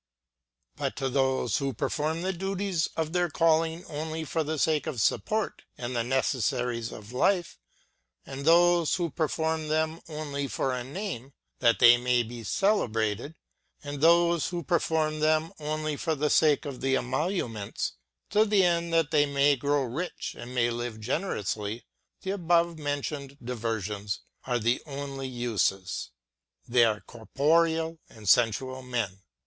But to those who perform the duties of their calling only for the sake of support and the necessaries of life ; and those who perform them only for a name, that they may be cele brated ; and those who perform them only for the sake of the emoluments, to the end that they may grow rich or may live generously, the above mentioned diversions are the only uses. They are corporeal and sensjual men.